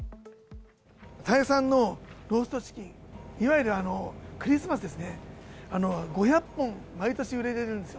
タイ産のローストチキン、いわゆるクリスマスですね、５００本、毎年売れるんですよ。